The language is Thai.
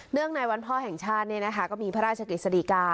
เรื่องในวันพ่อแห่งชาติเนี่ยนะคะก็มีพระราชกฤษฎีกา